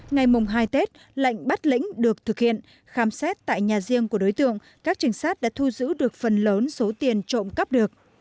ngày mùng hai tết lệnh bắt lĩnh được thực hiện khám xét tại nhà riêng của đối tượng các trình sát đã thu giữ được phần lớn số tiền trộm cắp được